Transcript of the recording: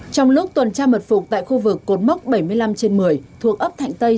trong lúc tuần tra mật phục tại khu vực cột mốc bảy mươi năm trên một mươi thuộc ấp thạnh tây